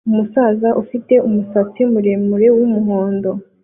umusaza ufite umusatsi muremure wumuhondo